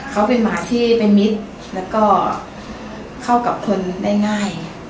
เขาเป็นหมาที่เป็นมิตรแล้วก็เข้ากับคนได้ง่าย